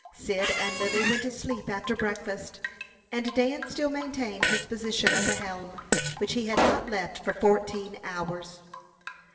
Cyd and Lily went to sleep after breakfast, and Dan still maintained his position at the helm, which he had not left for fourteen hours.